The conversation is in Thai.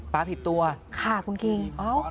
ปาผิดตัวค่ะคุณกิ๊งอ๋อ